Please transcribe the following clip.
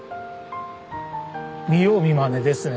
見よう見まねですね